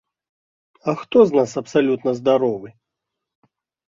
А хто з нас абсалютна здаровы?